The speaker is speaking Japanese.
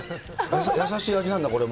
優しい味なんだ、これも。